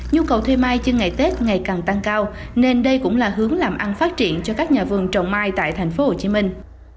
nhu cầu thuê mai trên ngày tết ngày càng tăng cao nên đây cũng là hướng làm ăn phát triển cho các nhà vườn trồng mai tại thành phố hồ chí minh